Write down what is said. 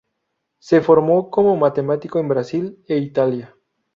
Se formó como matemático en Brasil e Italia.